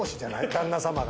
旦那様が。